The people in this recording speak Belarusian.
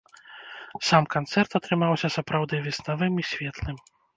Сам канцэрт атрымаўся сапраўды веснавым і светлым.